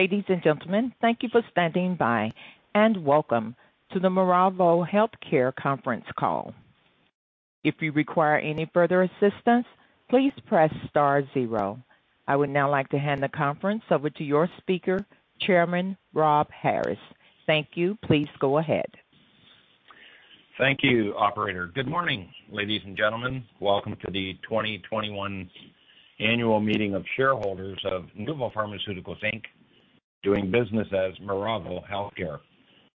Ladies and gentlemen, thank you for standing by, and welcome to the Miravo Healthcare conference call. If you require any further assistance, please press star zero. I would now like to hand the conference over to your speaker, Chairman Rob Harris. Thank you. Please go ahead. Thank you, operator. Good morning, ladies and gentlemen. Welcome to the 2021 annual meeting of shareholders of Nuvo Pharmaceuticals Inc., doing business as Miravo Healthcare.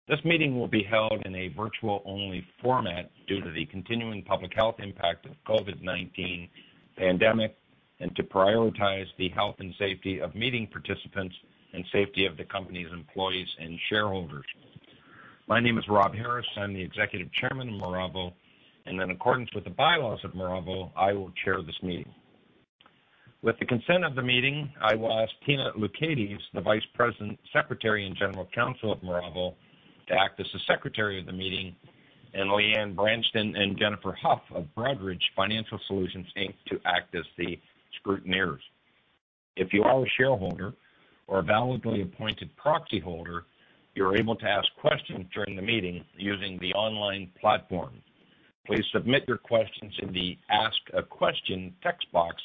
This meeting will be held in a virtual-only format due to the continuing public health impact of COVID-19 pandemic and to prioritize the health and safety of meeting participants and safety of the company's employees and shareholders. My name is Rob Harris. I'm the Executive Chairman of Miravo, and in accordance with the bylaws of Miravo, I will chair this meeting. With the consent of the meeting, I will ask Katina Loucaides, the Vice President, Secretary, and General Counsel of Miravo, to act as the Secretary of the meeting, and Leanne Branston and Jennifer Huff of Broadridge Financial Solutions Inc. to act as the scrutineers. If you are a shareholder or a validly appointed proxy holder, you're able to ask questions during the meeting using the online platform. Please submit your questions in the ask a question text box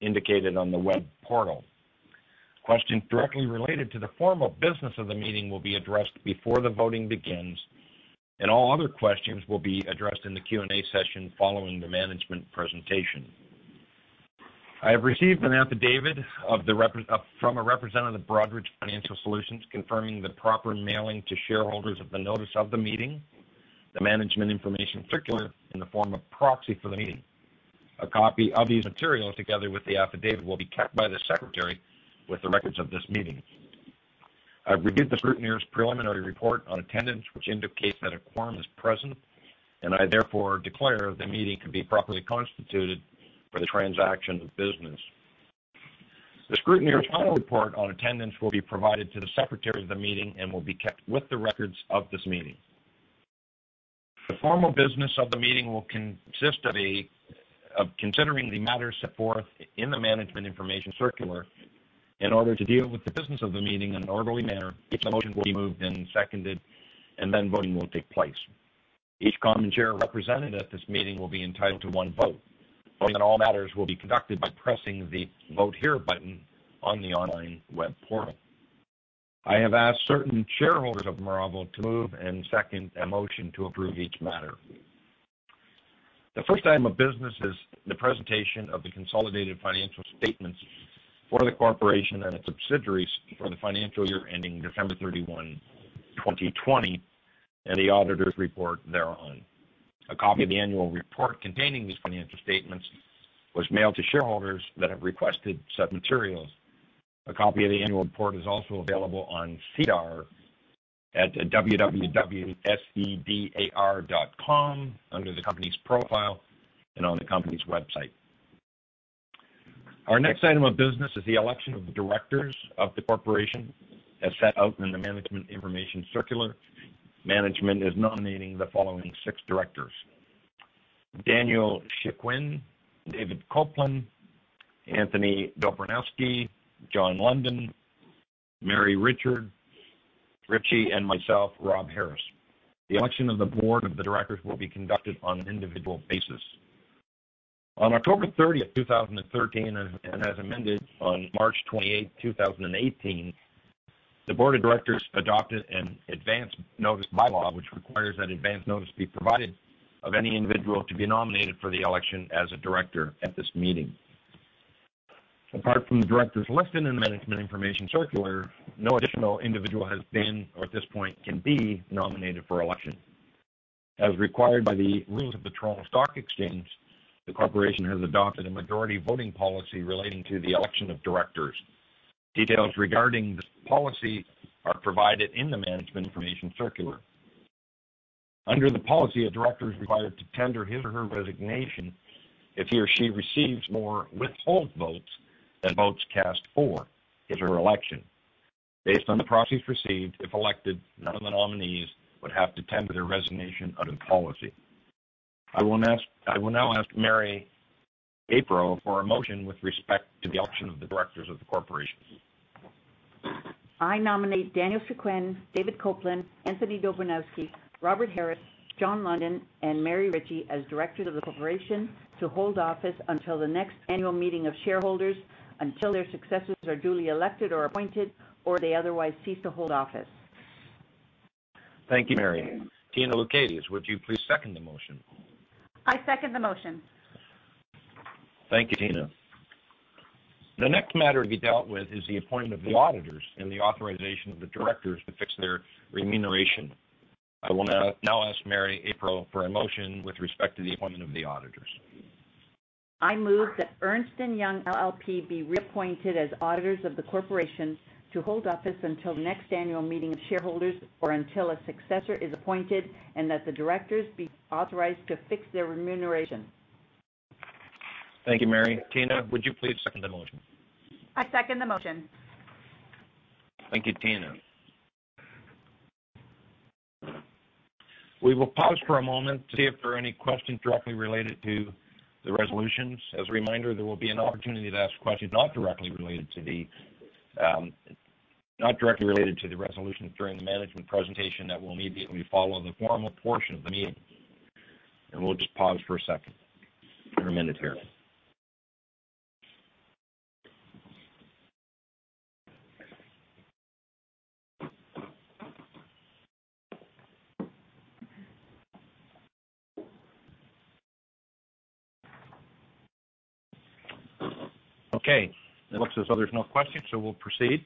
indicated on the web portal. Questions directly related to the formal business of the meeting will be addressed before the voting begins, and all other questions will be addressed in the Q and A session following the management presentation. I have received an affidavit from a representative of Broadridge Financial Solutions confirming the proper mailing to shareholders of the notice of the meeting, the management information circular in the form of proxy for the meeting. A copy of these materials, together with the affidavit, will be kept by the secretary with the records of this meeting. I've reviewed the scrutineer's preliminary report on attendance, which indicates that a quorum is present, and I therefore declare the meeting to be properly constituted for the transaction of business. The scrutineer's final report on attendance will be provided to the secretary of the meeting and will be kept with the records of this meeting. The formal business of the meeting will consist of considering the matters set forth in the management information circular. In order to deal with the business of the meeting in an orderly manner, each motion will be moved and seconded, and then voting will take place. Each common share represented at this meeting will be entitled to one vote. Voting on all matters will be conducted by pressing the vote here button on the online web portal. I have asked certain shareholders of Miravo to move and second a motion to approve each matter. The first item of business is the presentation of the consolidated financial statements for the corporation and its subsidiaries for the financial year ending December 31, 2020, and the auditor's report thereon. A copy of the annual report containing these financial statements was mailed to shareholders that have requested said materials. A copy of the annual report is also available on SEDAR at www.sedar.com under the company's profile and on the company's website. Our next item of business is the election of the directors of the corporation. As set out in the management information circular, management is nominating the following six directors. Daniel Chicoine, David A. Copeland, Anthony E. Dobranowski, John C. London, Mary Ritchie, and myself, Rob Harris. The election of the board of directors will be conducted on an individual basis. On October 30th, 2013, and as amended on March 28th, 2018, the board of directors adopted an advance notice bylaw, which requires that advance notice be provided of any individual to be nominated for the election as a director at this meeting. Apart from the directors listed in the management information circular, no additional individual has been or at this point can be nominated for election. As required by the rules of the Toronto Stock Exchange, the corporation has adopted a majority voting policy relating to the election of directors. Details regarding this policy are provided in the management information circular. Under the policy, a director is required to tender his or her resignation if he or she receives more withhold votes than votes cast for in their election. Based on the proxies received, if elected, none of the nominees would have to tender their resignation under the policy. I will now ask Mary April for a motion with respect to the election of the directors of the corporation. I nominate Daniel Chicoine, David Copeland, Anthony Dobranowski, Robert Harris, John London, and Mary Ritchie as directors of the corporation to hold office until the next annual meeting of shareholders, until their successors are duly elected or appointed, or they otherwise cease to hold office. Thank you, Mary. Katina Loucaides, would you please second the motion? I second the motion. Thank you, Katina. The next matter to be dealt with is the appointment of the auditors and the authorization of the directors to fix their remuneration. I will now ask Mary April for a motion with respect to the appointment of the auditors. I move that Ernst & Young LLP be reappointed as auditors of the corporation to hold office until the next annual meeting of shareholders or until a successor is appointed, and that the directors be authorized to fix their remuneration. Thank you, Mary. Katina, would you please second the motion? I second the motion. Thank you, Katina. We will pause for a moment to see if there are any questions directly related to the resolutions. As a reminder, there will be an opportunity to ask questions not directly related to the resolutions during the management presentation that will immediately follow the formal portion of the meeting. We'll just pause for a second or a minute here. Okay, it looks as though there's no questions, so we'll proceed.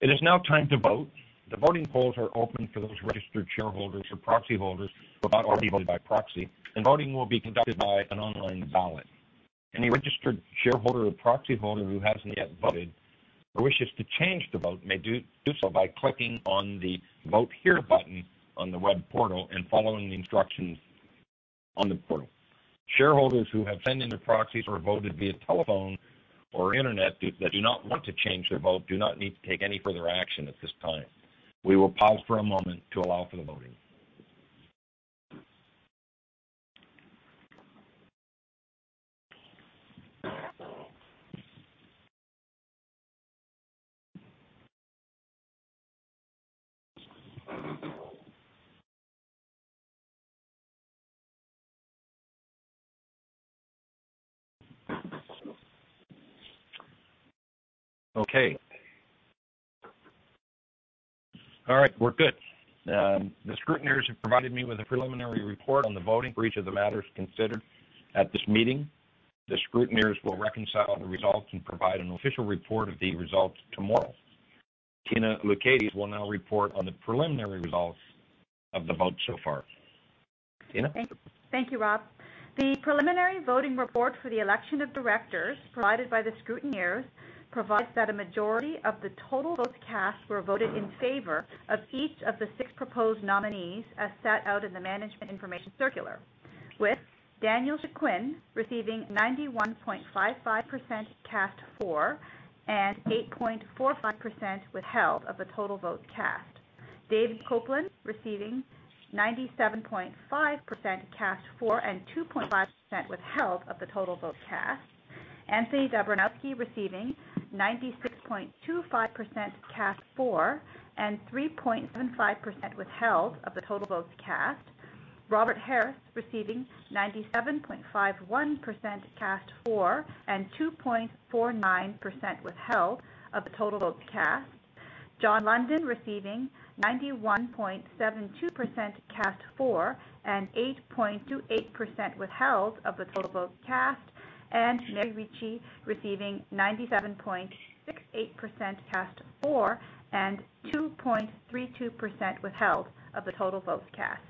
It is now time to vote. The voting polls are open for those registered shareholders or proxy holders who have not already voted by proxy, and voting will be conducted by an online ballot. Any registered shareholder or proxy holder who hasn't yet voted or wishes to change the vote may do so by clicking on the vote here button on the web portal and following the instructions on the portal. Shareholders who have sent in their proxies or voted via telephone or internet that do not want to change their vote do not need to take any further action at this time. We will pause for a moment to allow for the voting. Okay. All right, we're good. The scrutineers have provided me with a preliminary report on the voting for each of the matters considered at this meeting. The scrutineers will reconcile the results and provide an official report of the results tomorrow. Katina Loucaides will now report on the preliminary results of the vote so far. Katina? Thank you, Rob. The preliminary voting report for the election of directors provided by the scrutineers provides that a majority of the total votes cast were voted in favor of each of the six proposed nominees as set out in the management information circular, with Daniel Chicoine receiving 91.55% cast for and 8.45% withheld of the total votes cast. David Copeland receiving 97.5% cast for and 2.5% withheld of the total votes cast. Anthony Dobranowski receiving 96.25% cast for and 3.75% withheld of the total votes cast. Robert Harris receiving 97.51% cast for and 2.49% withheld of the total votes cast. John London receiving 91.72% cast for and 8.28% withheld of the total votes cast. Mary Ritchie receiving 97.68% cast for and 2.32% withheld of the total votes cast.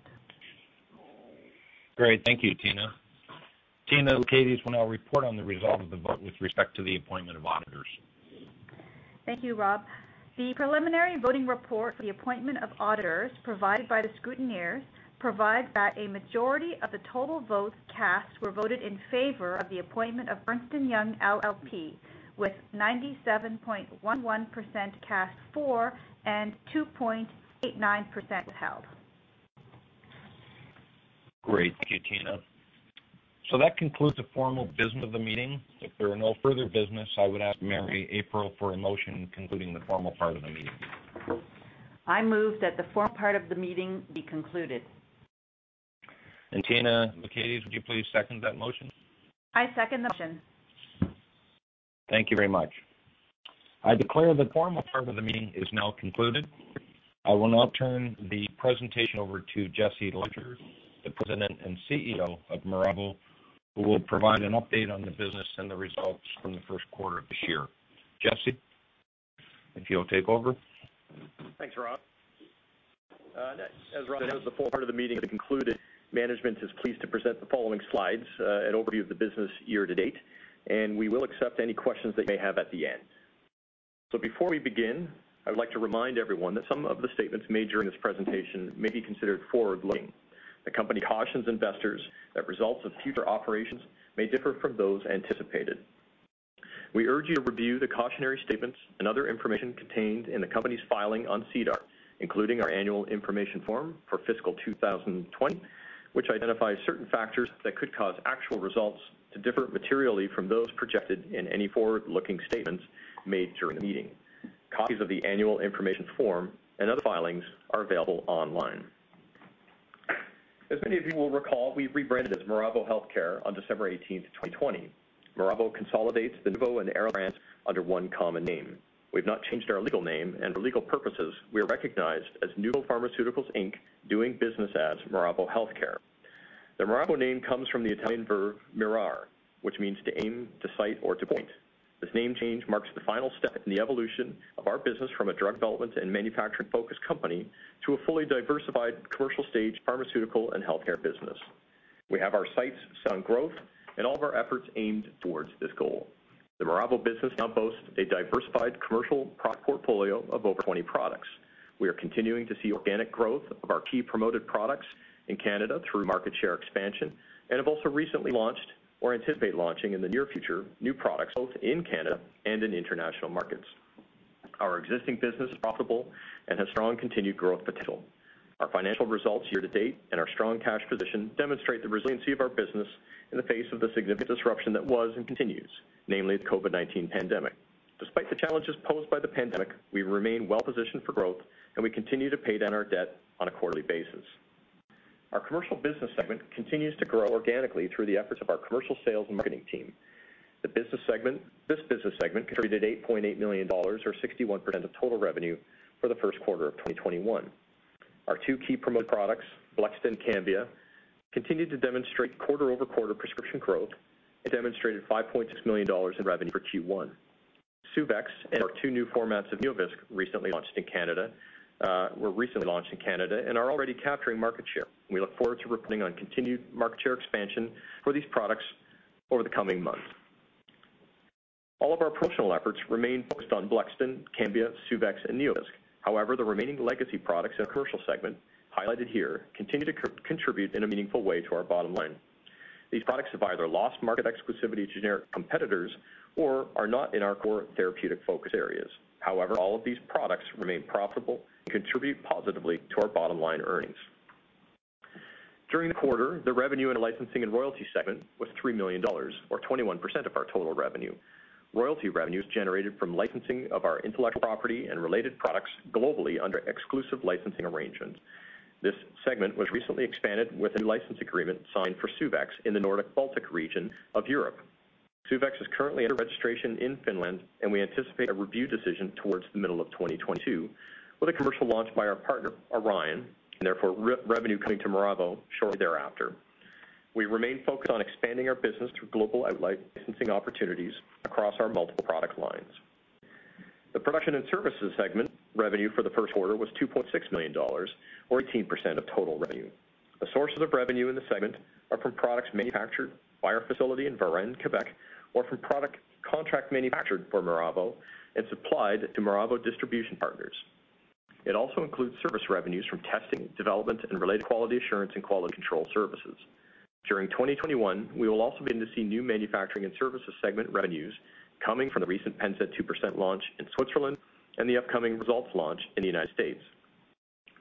Great. Thank you, Katina. Katina will now report on the result of the vote with respect to the appointment of auditors. Thank you, Rob. The preliminary voting report for the appointment of auditors provided by the scrutineers provides that a majority of the total votes cast were voted in favor of the appointment of Ernst & Young LLP with 97.11% cast for and 2.89% withheld. Great. Thank you, Katina. That concludes the formal business of the meeting. If there are no further business, I would ask Mary April for a motion concluding the formal part of the meeting. I move that the formal part of the meeting be concluded. Katina, would you please second that motion? I second the motion. Thank you very much. I declare the formal part of the meeting is now concluded. I will now turn the presentation over to Jesse Ledger, the President and CEO of Miravo, who will provide an update on the business and the results from the first quarter of this year. Jesse, if you'll take over. Thanks, Rob. As Rob said, the formal part of the meeting has concluded. Management is pleased to present the following slides, an overview of the business year to date, and we will accept any questions that you may have at the end. Before we begin, I would like to remind everyone that some of the statements made during this presentation may be considered forward-looking. The company cautions investors that results of future operations may differ from those anticipated. We urge you to review the cautionary statements and other information contained in the company's filing on SEDAR, including our annual information form for fiscal 2020, which identifies certain factors that could cause actual results to differ materially from those projected in any forward-looking statements made during the meeting. Copies of the annual information form and other filings are available online. As many of you will recall, we rebranded as Miravo Healthcare on December 18th, 2020. Miravo consolidates the Nuvo and Aralez brands under one common name. We've not changed our legal name and for legal purposes, we are recognized as Nuvo Pharmaceuticals Inc. doing business as Miravo Healthcare. The Miravo name comes from the Italian verb mirare, which means to aim, to sight, or to point. This name change marks the final step in the evolution of our business from a drug development and manufacturing-focused company to a fully diversified commercial stage pharmaceutical and healthcare business. We have our sights set on growth and all of our efforts aimed towards this goal. The Miravo business now boasts a diversified commercial product portfolio of over 20 products. We are continuing to see organic growth of our key promoted products in Canada through market share expansion and have also recently launched or anticipate launching in the near future new products both in Canada and in international markets. Our existing business is profitable and has strong continued growth potential. Our financial results year to date and our strong cash position demonstrate the resiliency of our business in the face of the significant disruption that was and continues, namely the COVID-19 pandemic. Despite the challenges posed by the pandemic, we remain well positioned for growth and we continue to pay down our debt on a quarterly basis. Our commercial business segment continues to grow organically through the efforts of our commercial sales and marketing team. This business segment contributed 8.8 million dollars, or 61% of total revenue for the first quarter of 2021. Our two key promoted products, Blexten and Cambia, continued to demonstrate quarter-over-quarter prescription growth and demonstrated 5.6 million dollars in revenue for Q1. Suvexx and our two new formats of NeoVisc were recently launched in Canada and are already capturing market share. We look forward to reporting on continued market share expansion for these products over the coming months. All of our promotional efforts remain focused on Blexten, Cambia, Suvexx and NeoVisc. However, the remaining legacy products in our commercial segment, highlighted here, continue to contribute in a meaningful way to our bottom line. These products have either lost market exclusivity to generic competitors or are not in our core therapeutic focus areas. However, all of these products remain profitable and contribute positively to our bottom-line earnings. During the quarter, the revenue in the licensing and royalty segment was 3 million dollars or 21% of our total revenue. Royalty revenue is generated from licensing of our intellectual property and related products globally under exclusive licensing arrangements. This segment was recently expanded with a new license agreement signed for Suvexx in the Nordic Baltic region of Europe. Suvexx is currently under registration in Finland, and we anticipate a review decision towards the middle of 2022, with a commercial launch by our partner, Orion, and therefore revenue coming to Miravo shortly thereafter. We remain focused on expanding our business through global licensing opportunities across our multiple product lines. The Production and Services segment revenue for the first quarter was 2.6 million dollars or 18% of total revenue. The sources of revenue in the segment are from products manufactured by our facility in Varennes, Québec, or from product contract manufactured for Miravo and supplied through Miravo distribution partners. It also includes service revenues from testing, development, and related quality assurance and quality control services. During 2021, we will also begin to see new manufacturing and services segment revenues coming from the recent Pennsaid 2% launch in Switzerland and the upcoming Resultz launch in the United States.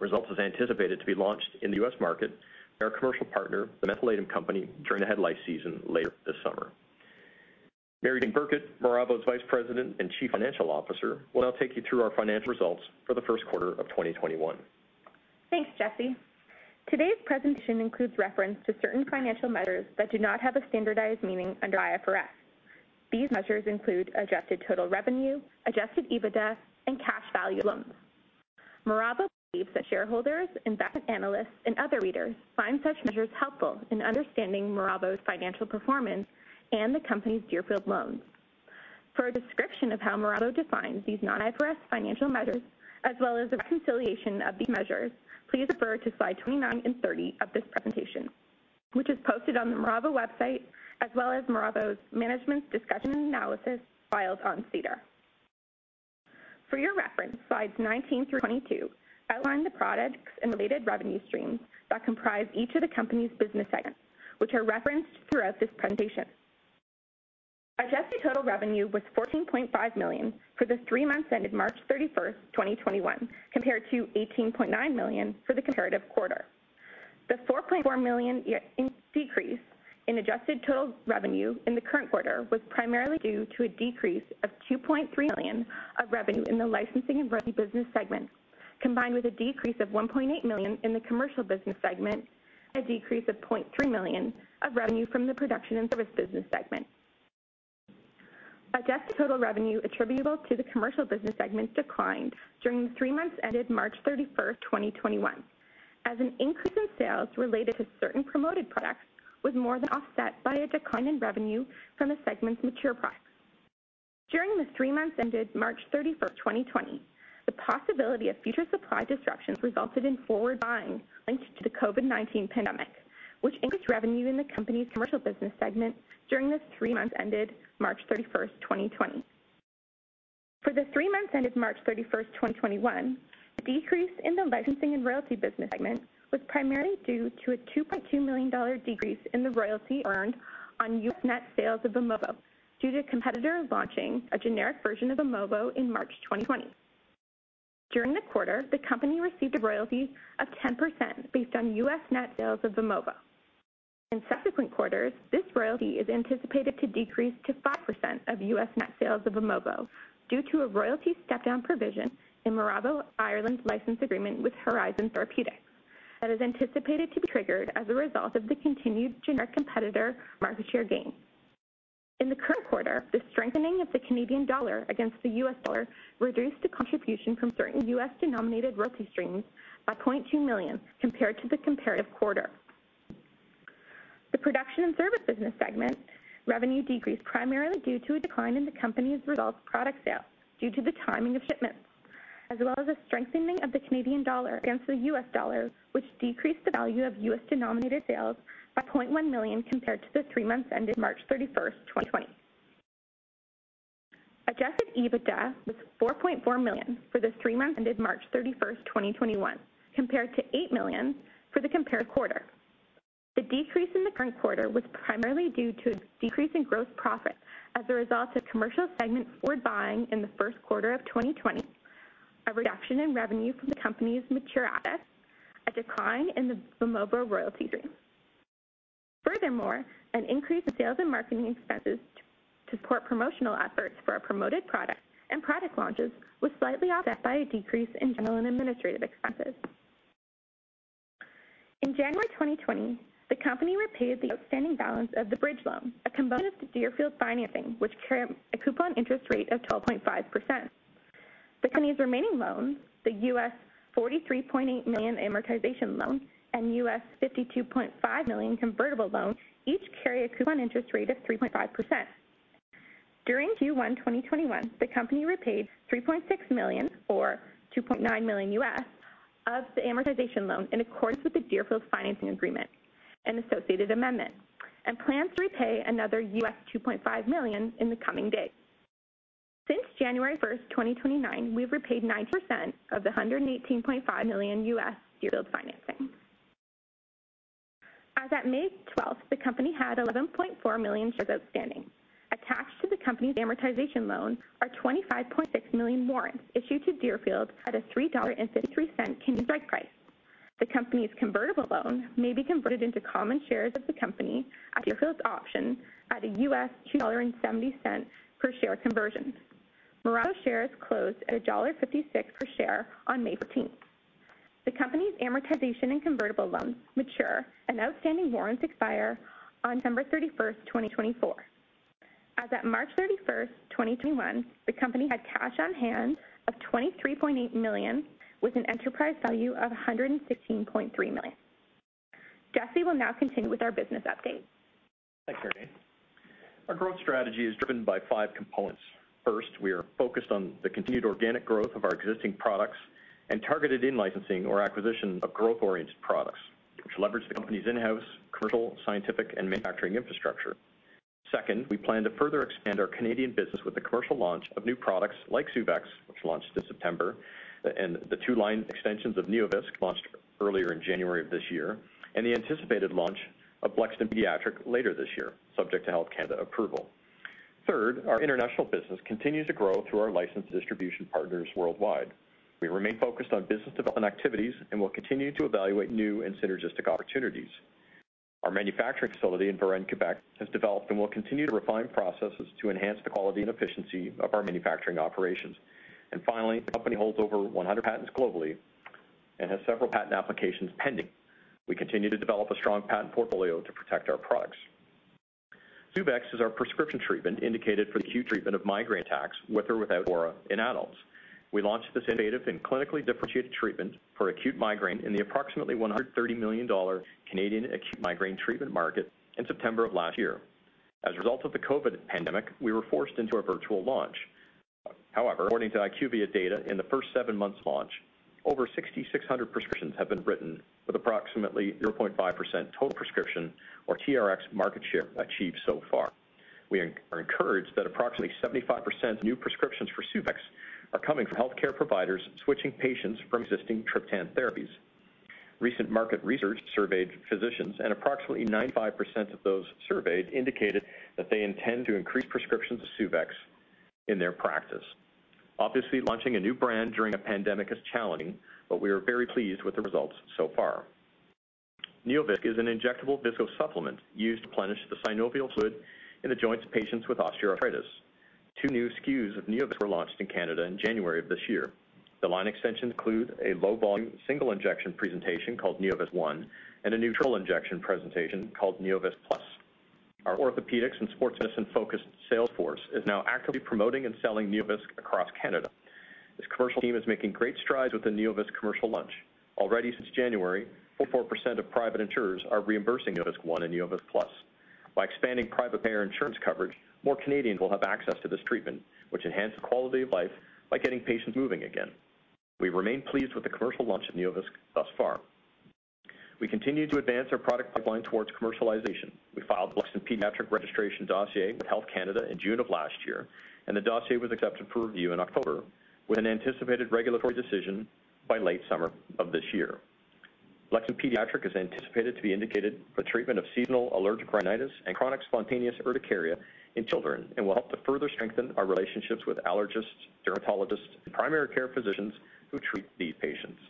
Resultz is anticipated to be launched in the U.S. market by our commercial partner, The Mentholatum Company, during the head lice season later this summer. Mary-Jane Burkett, Miravo's Vice President and Chief Financial Officer, will now take you through our financial results for the first quarter of 2021. Thanks, Jesse. Today's presentation includes reference to certain financial measures that do not have a standardized meaning under IFRS. These measures include adjusted total revenue, Adjusted EBITDA and cash value loans. Miravo believes that shareholders, investment analysts and other readers find such measures helpful in understanding Miravo's financial performance and the company's Deerfield loans. For a description of how Miravo defines these non-IFRS financial measures, as well as a reconciliation of these measures, please refer to slide 29 and 30 of this presentation, which is posted on the Miravo website as well as Miravo's management's discussion and analysis filed on SEDAR. For your reference, slides 19 through 22 outline the products and related revenue streams that comprise each of the company's business segments, which are referenced throughout this presentation. Adjusted total revenue was 14.5 million for the three months ended March 31st, 2021, compared to 18.9 million for the comparative quarter. The 4.4 million decrease in adjusted total revenue in the current quarter was primarily due to a decrease of 2.3 million of revenue in the Licensing and Royalty business segment, combined with a decrease of 1.8 million in the Commercial business segment, and a decrease of 0.3 million of revenue from the Manufacturing and Services business segment. Adjusted total revenue attributable to the Commercial business segment declined during the three months ended March 31st, 2021, as an increase in sales related to certain promoted products was more than offset by a decline in revenue from the segment's mature products. During the three months ended March 31st, 2020, the possibility of future supply disruptions resulted in forward buying linked to the COVID-19 pandemic, which increased revenue in the company's commercial business segment during the three months ended March 31st, 2020. For the three months ended March 31st, 2021, the decrease in the licensing and royalty business segment was primarily due to a $2.2 million decrease in the royalty earned on U.S. net sales of Vimovo due to a competitor launching a generic version of Vimovo in March 2020. During the quarter, the company received a royalty of 10% based on U.S. net sales of Vimovo. In subsequent quarters, this royalty is anticipated to decrease to 5% of U.S. net sales of Vimovo due to a royalty step-down provision in Miravo Healthcare Ireland's license agreement with Horizon Therapeutics that is anticipated to be triggered as a result of the continued generic competitor market share gains. In the current quarter, the strengthening of the Canadian dollar against the U.S. dollar reduced the contribution from certain U.S. denominated royalty streams by 0.2 million compared to the comparative quarter. The Production and Service business segment revenue decreased primarily due to a decline in the company's Resultz product sales due to the timing of shipments, as well as a strengthening of the Canadian dollar against the U.S. dollar, which decreased the value of U.S. denominated sales by 0.1 million compared to the three months ended March 31st, 2020. Adjusted EBITDA was 4.4 million for the three months ended March 31st, 2021, compared to 8 million for the comparative quarter. The decrease in the current quarter was primarily due to a decrease in gross profit as a result of commercial segment forward buying in the first quarter of 2020, a reduction in revenue from the company's mature assets, a decline in the Vimovo royalty stream. Furthermore, an increase in sales and marketing expenses to support promotional efforts for our promoted products and product launches was slightly offset by a decrease in general and administrative expenses. In January 2020, the company repaid the outstanding balance of the bridge loan, a component of the Deerfield financing, which carried a coupon interest rate of 12.5%. The company's remaining loans, the $43.8 million amortization loan and $52.5 million convertible loan, each carry a coupon interest rate of 3.5%. During Q1 2021, the company repaid 3.6 million, or $2.9 million, of the amortization loan in accordance with the Deerfield financing agreement and associated amendment, and plans to repay another $2.5 million in the coming days. Since January 1st, 2021, we've repaid 90% of the $118.5 million Deerfield financing. As at May 12th, the company had 11.4 million shares outstanding. Attached to the company's amortization loan are 25.6 million warrants issued to Deerfield at a 3.53 Canadian dollars strike price. The company's convertible loan may be converted into common shares of the company at Deerfield's option at a $2.70 per share conversion. Miravo's shares closed at dollar 1.56 per share on May 14th. The company's amortization and convertible loans mature, and outstanding warrants expire on December 31st, 2024. As at March 31st, 2021, the company had cash on hand of 23.8 million, with an enterprise value of 116.3 million. Jesse will now continue with our business update. Thanks, Mary-Jane. Our growth strategy is driven by five components. First, we are focused on the continued organic growth of our existing products and targeted in-licensing or acquisition of growth-oriented products, which leverage the company's in-house commercial, scientific, and manufacturing infrastructure. Second, we plan to further expand our Canadian business with the commercial launch of new products like Suvexx, which launched in September, and the two line extensions of NeoVisc, launched earlier in January of this year, and the anticipated launch of Blexten Pediatric later this year, subject to Health Canada approval. Third, our international business continues to grow through our licensed distribution partners worldwide. We remain focused on business development activities and will continue to evaluate new and synergistic opportunities. Our manufacturing facility in Varennes, Quebec, has developed and will continue to refine processes to enhance the quality and efficiency of our manufacturing operations. Finally, the company holds over 100 patents globally and has several patent applications pending. We continue to develop a strong patent portfolio to protect our products. Suvexx is our prescription treatment indicated for the acute treatment of migraine attacks, with or without aura, in adults. We launched this innovative and clinically differentiated treatment for acute migraine in the approximately 130 million Canadian dollars Canadian acute migraine treatment market in September of last year. As a result of the COVID-19 pandemic, we were forced into a virtual launch. However, according to IQVIA data, in the first seven months of launch, over 6,600 prescriptions have been written with approximately 0.5% total prescription or TRX market share achieved so far. We are encouraged that approximately 75% of new prescriptions for Suvexx are coming from healthcare providers switching patients from existing triptan therapies. Recent market research surveyed physicians, and approximately 95% of those surveyed indicated that they intend to increase prescriptions of Suvexx in their practice. Obviously, launching a new brand during a pandemic is challenging, but we are very pleased with the results so far. NeoVisc is an injectable viscosupplement used to replenish the synovial fluid in the joints of patients with osteoarthritis. Two new SKUs of NeoVisc were launched in Canada in January of this year. The line extensions include a low-volume, single-injection presentation called NeoVisc ONE and a neutral injection presentation called NeoVisc+. Our orthopedics and sports medicine-focused sales force is now actively promoting and selling NeoVisc across Canada. This commercial team is making great strides with the NeoVisc commercial launch. Already since January, 44% of private insurers are reimbursing NeoVisc ONE and NeoVisc+. By expanding private payer insurance coverage, more Canadians will have access to this treatment, which enhances quality of life by getting patients moving again. We remain pleased with the commercial launch of NeoVisc thus far. We continue to advance our product pipeline towards commercialization. We filed the Blexten Pediatric registration dossier with Health Canada in June of last year, and the dossier was accepted for review in October, with an anticipated regulatory decision by late summer of this year. Blexten Pediatric is anticipated to be indicated for treatment of seasonal allergic rhinitis and chronic spontaneous urticaria in children and will help to further strengthen our relationships with allergists, dermatologists, and primary care physicians who treat these patients.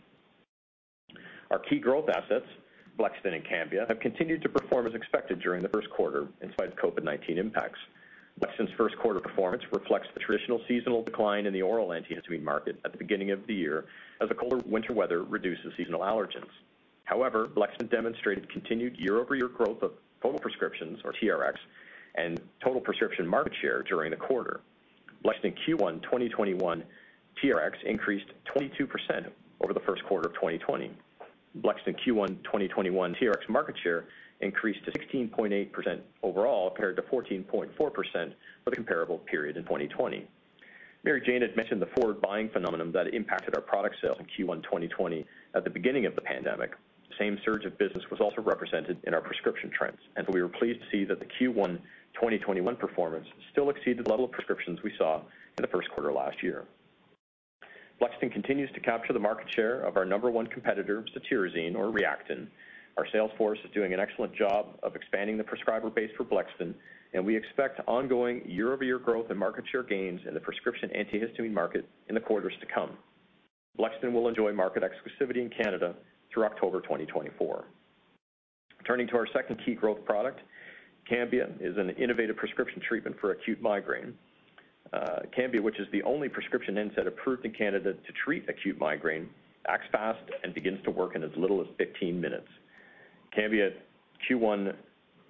Our key growth assets, Blexten and Cambia, have continued to perform as expected during the first quarter, in spite of COVID-19 impacts. Blexten's first quarter performance reflects the traditional seasonal decline in the oral antihistamine market at the beginning of the year, as the colder winter weather reduces seasonal allergens. However, Blexten demonstrated continued year-over-year growth of total prescriptions or TRX and total prescription market share during the quarter. Blexten Q1 2021 TRX increased 22% over the first quarter of 2020. Blexten Q1 2021 TRX market share increased to 16.8% overall, compared to 14.4% for the comparable period in 2020. Mary-Jane had mentioned the forward buying phenomenon that impacted our product sales in Q1 2020 at the beginning of the pandemic. The same surge of business was also represented in our prescription trends. We were pleased to see that the Q1 2021 performance still exceeded the level of prescriptions we saw in the first quarter last year. Blexten continues to capture the market share of our number one competitor, cetirizine or Reactine. Our sales force is doing an excellent job of expanding the prescriber base for Blexten, and we expect ongoing year-over-year growth in market share gains in the prescription antihistamine market in the quarters to come. Blexten will enjoy market exclusivity in Canada through October 2024. Turning to our second key growth product. Cambia is an innovative prescription treatment for acute migraine. Cambia, which is the only prescription NSAID approved in Canada to treat acute migraine, acts fast and begins to work in as little as 15 minutes. Cambia Q1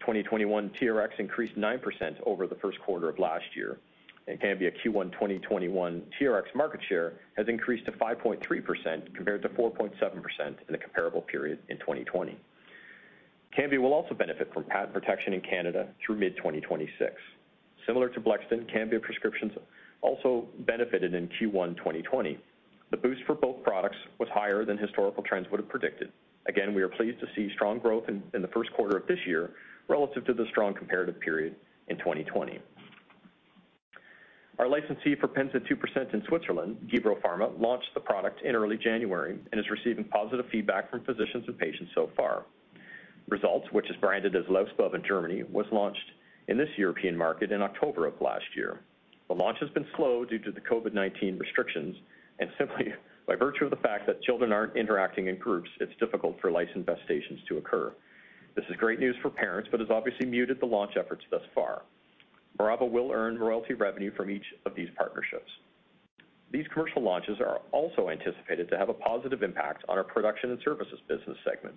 2021 TRX increased 9% over the first quarter of last year, and Cambia Q1 2021 TRX market share has increased to 5.3%, compared to 4.7% in the comparable period in 2020. Cambia will also benefit from patent protection in Canada through mid-2026. Similar to Blexten, Cambia prescriptions also benefited in Q1 2020. The boost for both products was higher than historical trends would have predicted. Again, we are pleased to see strong growth in the first quarter of this year relative to the strong comparative period in 2020. Our licensee for Pennsaid 2% in Switzerland, Gebro Pharma, launched the product in early January and is receiving positive feedback from physicians and patients so far. Resultz, which is branded as LAUSBUB in Germany, was launched in this European market in October of last year. The launch has been slow due to the COVID-19 restrictions and simply by virtue of the fact that children aren't interacting in groups, it's difficult for lice infestations to occur. This is great news for parents, but has obviously muted the launch efforts thus far. Miravo will earn royalty revenue from each of these partnerships. These commercial launches are also anticipated to have a positive impact on our production and services business segment.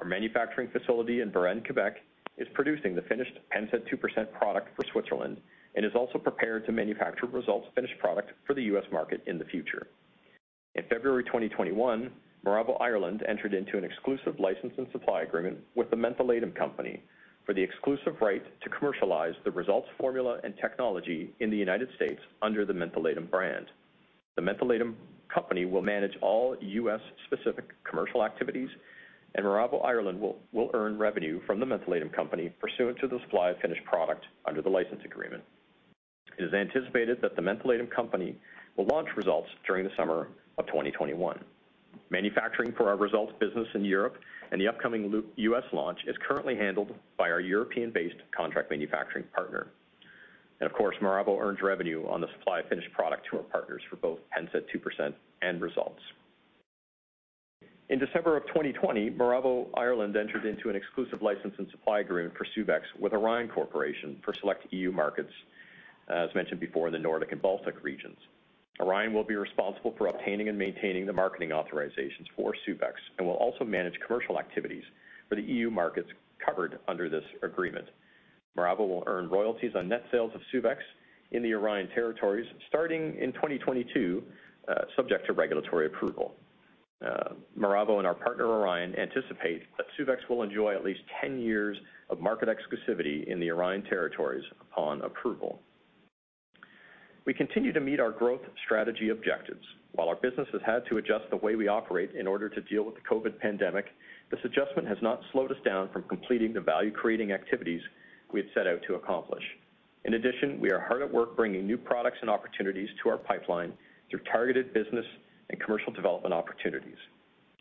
Our manufacturing facility in Varennes, Quebec, is producing the finished Pennsaid 2% product for Switzerland and is also prepared to manufacture Resultz finished product for the U.S. market in the future. In February 2021, Miravo Ireland entered into an exclusive license and supply agreement with the Mentholatum Company for the exclusive right to commercialize the Resultz formula and technology in the United States under the Mentholatum brand. The Mentholatum Company will manage all U.S.-specific commercial activities, and Miravo Ireland will earn revenue from the Mentholatum Company pursuant to the supply of finished product under the license agreement. It is anticipated that the Mentholatum Company will launch Resultz during the summer of 2021. Manufacturing for our Resultz business in Europe and the upcoming U.S. launch is currently handled by our European-based contract manufacturing partner. Of course, Miravo earns revenue on the supply of finished product to our partners for both Pennsaid 2% and Resultz. In December of 2020, Miravo Ireland entered into an exclusive license and supply agreement for Suvexx with Orion Corporation for select E.U. markets, as mentioned before in the Nordic and Baltic regions. Orion will be responsible for obtaining and maintaining the marketing authorizations for Suvexx and will also manage commercial activities for the E.U. markets covered under this agreement. Miravo will earn royalties on net sales of Suvexx in the Orion territories starting in 2022, subject to regulatory approval. Miravo and our partner, Orion, anticipate that Suvexx will enjoy at least 10 years of market exclusivity in the Orion territories upon approval. We continue to meet our growth strategy objectives. While our business has had to adjust the way we operate in order to deal with the COVID-19 pandemic, this adjustment has not slowed us down from completing the value-creating activities we had set out to accomplish. In addition, we are hard at work bringing new products and opportunities to our pipeline through targeted business and commercial development opportunities.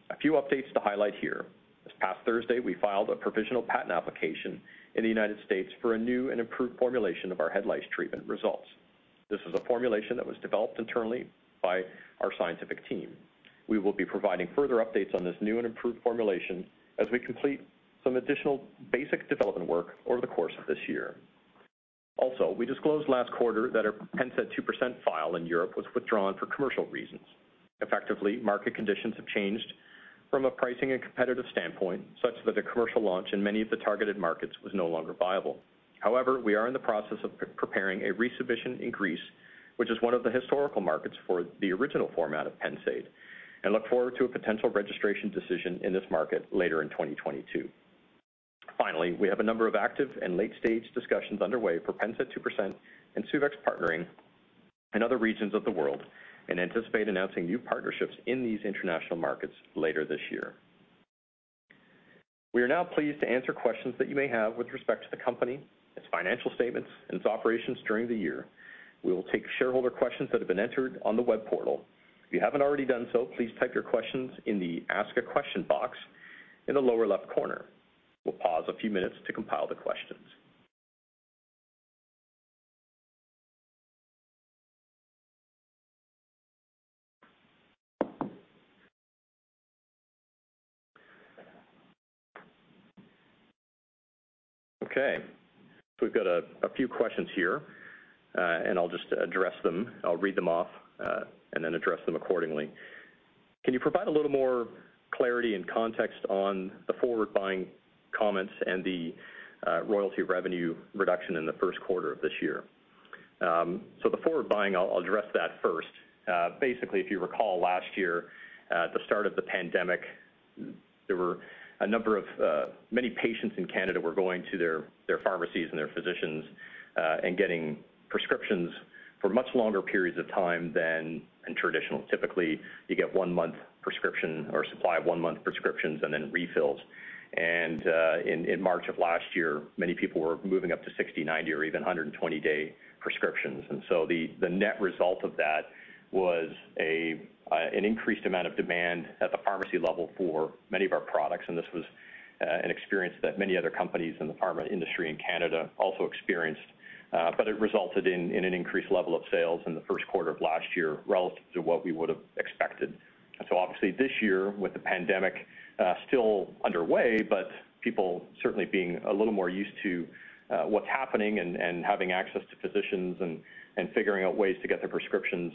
A few updates to highlight here. This past Thursday, we filed a provisional patent application in the United States for a new and improved formulation of our head lice treatment, Resultz. This is a formulation that was developed internally by our scientific team. We will be providing further updates on this new and improved formulation as we complete some additional basic development work over the course of this year. Also, we disclosed last quarter that our Pennsaid 2% filing in Europe was withdrawn for commercial reasons. Effectively, market conditions have changed from a pricing and competitive standpoint, such that the commercial launch in many of the targeted markets was no longer viable. However, we are in the process of preparing a resubmission in Greece, which is one of the historical markets for the original format of Pennsaid, and look forward to a potential registration decision in this market later in 2022. Finally, we have a number of active and late-stage discussions underway for Pennsaid 2% and Suvexx partnering in other regions of the world and anticipate announcing new partnerships in these international markets later this year. We are now pleased to answer questions that you may have with respect to the company, its financial statements, and its operations during the year. We will take shareholder questions that have been entered on the web portal. If you haven't already done so, please type your questions in the ask a question box in the lower left corner. We'll pause a few minutes to compile the questions. Okay, so we've got a few questions here, and I'll just address them. I'll read them off and then address them accordingly. Can you provide a little more clarity and context on the forward buying comments and the royalty revenue reduction in the first quarter of this year? The forward buying, I'll address that first. Basically, if you recall last year, at the start of the pandemic, many patients in Canada were going to their pharmacies and their physicians and getting prescriptions for much longer periods of time than is traditional. Typically you get one month prescription or supply of one month prescriptions and then refills. In March of last year, many people were moving up to 60, 90, or even 120-day prescriptions. The net result of that was an increased amount of demand at the pharmacy level for many of our products. This was an experience that many other companies in the pharma industry in Canada also experienced, but it resulted in an increased level of sales in the first quarter of last year relative to what we would have expected. Obviously this year, with the pandemic still underway, but people certainly being a little more used to what's happening and having access to physicians and figuring out ways to get their prescriptions,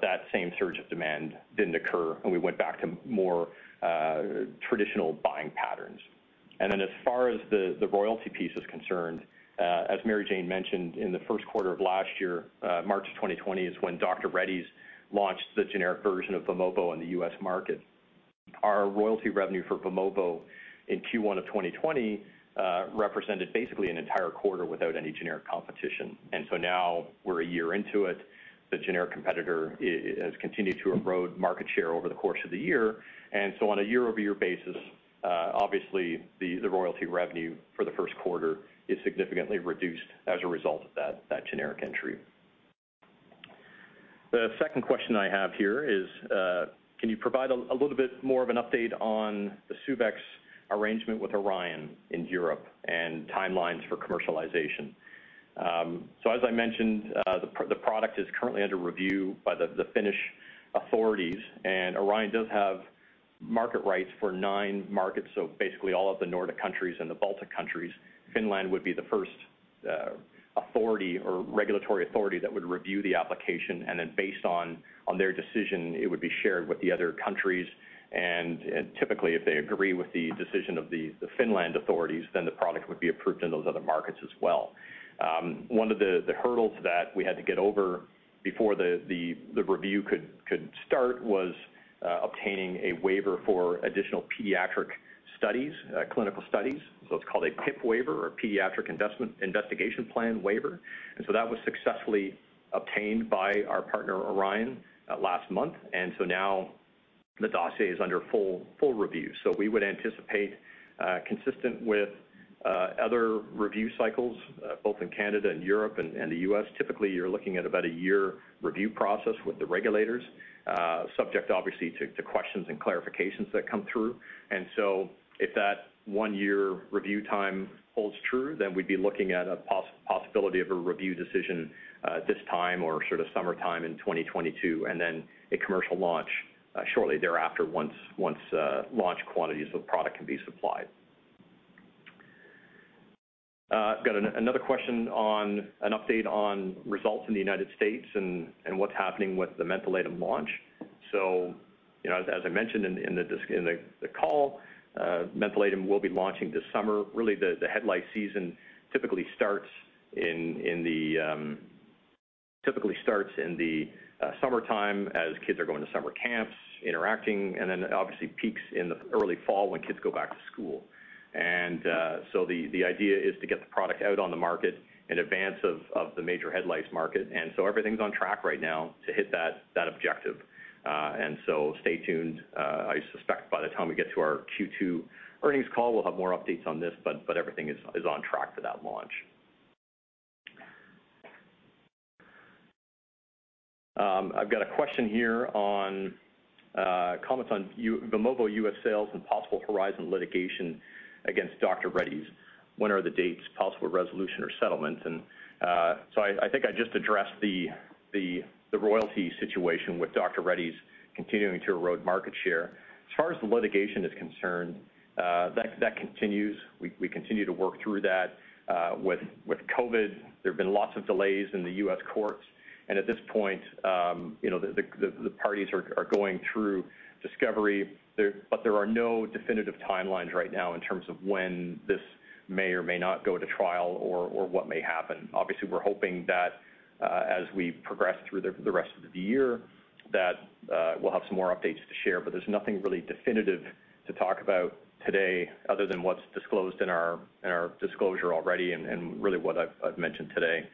that same surge of demand didn't occur, and we went back to more traditional buying patterns. As far as the royalty piece is concerned, as Mary-Jane mentioned, in the first quarter of last year, March 2020, is when Dr. Reddy's launched the generic version of Vimovo in the U.S. market. Our royalty revenue for Vimovo in Q1 of 2020 represented basically an entire quarter without any generic competition. Now we're a year into it. The generic competitor has continued to erode market share over the course of the year. On a year-over-year basis, obviously the royalty revenue for the first quarter is significantly reduced as a result of that generic entry. The second question I have here is, can you provide a little bit more of an update on the Suvexx arrangement with Orion in Europe and timelines for commercialization? As I mentioned, the product is currently under review by the Finnish authorities, and Orion does have market rights for nine markets. Basically all of the Nordic countries and the Baltic countries. Finland would be the first authority or regulatory authority that would review the application. Based on their decision, it would be shared with the other countries. Typically, if they agree with the decision of the Finnish authorities, then the product would be approved in those other markets as well. One of the hurdles that we had to get over before the review could start was obtaining a waiver for additional pediatric studies, clinical studies. It's called a PIP waiver or pediatric investigation plan waiver. That was successfully obtained by our partner, Orion, last month. Now the dossier is under full review. We would anticipate, consistent with other review cycles both in Canada and Europe and the U.S., typically you're looking at about a year review process with the regulators, subject obviously to questions and clarifications that come through. If that one-year review time holds true, then we'd be looking at a possibility of a review decision this time or sort of summertime in 2022, and then a commercial launch shortly thereafter, once launch quantities of product can be supplied. I've got another question on an update on results in the United States and what's happening with the Mentholatum launch. As I mentioned in the call, Mentholatum will be launching this summer. Really the head lice season typically starts in the summertime as kids are going to summer camps, interacting, and then obviously peaks in the early fall when kids go back to school. The idea is to get the product out on the market in advance of the major head lice market. Everything's on track right now to hit that objective. Stay tuned. I suspect by the time we get to our Q2 earnings call, we'll have more updates on this. Everything is on track for that launch. I've got a question here on comments on Vimovo U.S. sales and possible Horizon litigation against Dr. Reddy's. When are the dates possible resolution or settlement? I think I just addressed the royalty situation with Dr. Reddy's continuing to erode market share. As far as the litigation is concerned, that continues. We continue to work through that. With COVID, there have been lots of delays in the U.S. courts. At this point the parties are going through discovery, but there are no definitive timelines right now in terms of when this may or may not go to trial or what may happen. Obviously, we're hoping that as we progress through the rest of the year, that we'll have some more updates to share. There's nothing really definitive to talk about today other than what's disclosed in our disclosure already and really what I've mentioned today.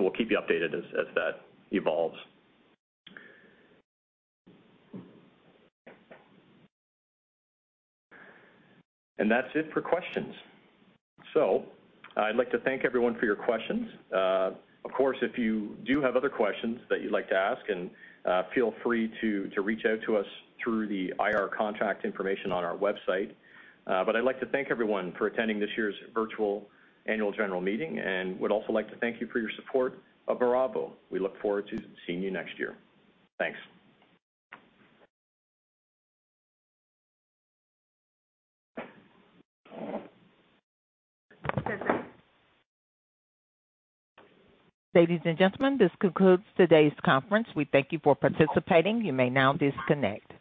We'll keep you updated as that evolves. That's it for questions. I'd like to thank everyone for your questions. Of course, if you do have other questions that you'd like to ask, feel free to reach out to us through the IR contact information on our website. I'd like to thank everyone for attending this year's virtual annual general meeting and would also like to thank you for your support of Miravo. We look forward to seeing you next year. Thanks. Ladies and gentlemen, this concludes today's conference. We thank you for participating. You may now disconnect.